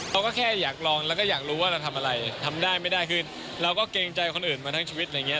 เขาก็แค่อยากลองแล้วก็อยากรู้ว่าเราทำอะไรทำได้ไม่ได้คือเราก็เกรงใจคนอื่นมาทั้งชีวิตอะไรอย่างนี้